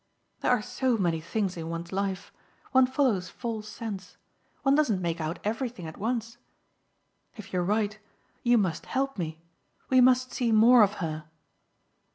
"There are so many things in one's life. One follows false scents. One doesn't make out everything at once. If you're right you must help me. We must see more of her."